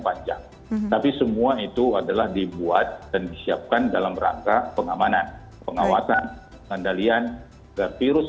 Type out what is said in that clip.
panjang tapi semua itu adalah dibuat dan disiapkan dalam rangka pengamanan pengawasan pengendalian virus